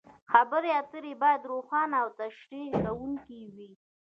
خبرې اترې باید روښانه او تشریح کوونکې وي.